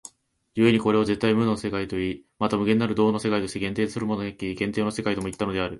故にこれを絶対無の世界といい、また無限なる動の世界として限定するものなき限定の世界ともいったのである。